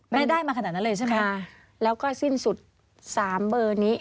แม่ได้มาขนาดนั้นเลยใช่มั้ยค่ะแล้วก็สิ้นสุด๓เบอร์นี้